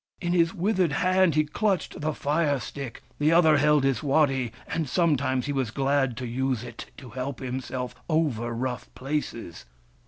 In his withered hand he clutched the fire stick ; the other held his waddy, and sometimes he was glad to use it to help himself over rough places.